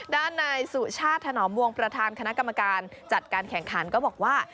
ด้านนายสุชาติถนอมวงประธานคณะกรรมการจัดการแข่งขันก็บอกว่า